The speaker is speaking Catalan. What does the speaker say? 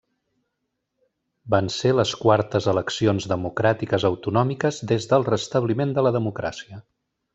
Van ser les quartes eleccions democràtiques autonòmiques des del restabliment de la democràcia.